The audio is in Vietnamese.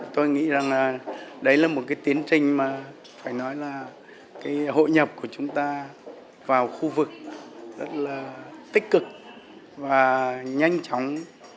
tôi nghĩ rằng đấy là một cái tiến trình mà phải nói là cái hội nhập của chúng ta vào khu vực rất là tích cực và nhanh chóng